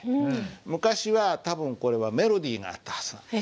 昔は多分これはメロディーがあったはずなんです。